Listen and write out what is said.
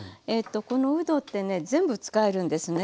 このうどってね全部使えるんですね。